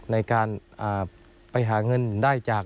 ในการไปหาเงินได้จาก